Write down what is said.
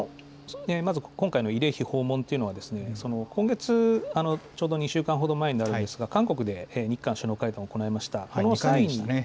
まず今回の慰霊碑訪問というのは、今月、ちょうど２週間ほど前になるんですが、韓国で日韓首脳会談を行いました。